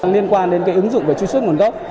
liên quan đến cái ứng dụng về truy xuất nguồn gốc